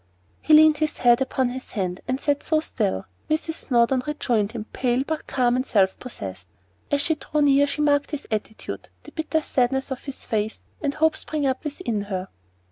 He leaned his head upon his hand, and sat so still Mrs. Snowdon rejoined him, pale, but calm and self possessed. As she drew near, she marked his attitude, the bitter sadness of his face, and hope sprang up within her.